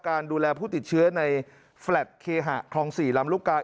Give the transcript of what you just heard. การดูแลผู้ติดเชื้อในแฟลตเคหะคลอง๔ลำลูกกา